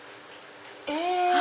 え！